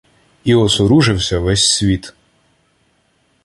І осоружився ввесь світ.